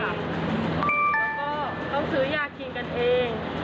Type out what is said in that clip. แล้วก็เขาซื้อยากินกันเอง